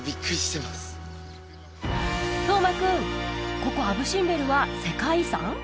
ここアブ・シンベルは世界遺産？